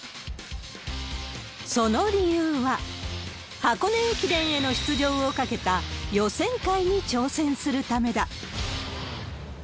その理由は、箱根駅伝への出場を懸けた予選会に挑戦するためだ。